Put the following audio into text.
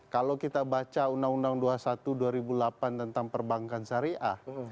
kalau kita baca undang undang dua puluh satu dua ribu delapan tentang perbankan syariah